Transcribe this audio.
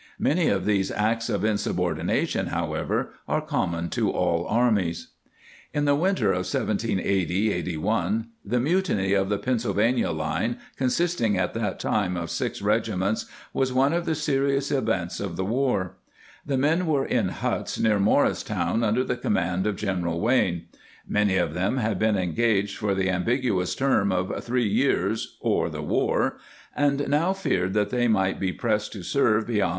* Many of these acts of insubordination, however, are common to all armies. In the winter of 1780 81, the mutiny of the Pennsylvania line, consisting at that time of six regiments, was one of the serious events of the war. The men were in huts near Morris / town under the command of General Wayne ; many of them had been engaged for the ambig uous term of " three years or the war," and now feared that they might be pressed to serve beyond 'Essex Institute Collections, vol.